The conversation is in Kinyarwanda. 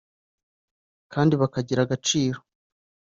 kandi bakagira agaciro